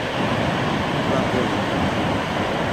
vagono